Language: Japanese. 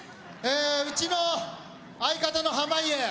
うちの相方の濱家。